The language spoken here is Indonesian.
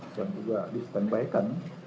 dan juga disetembaikan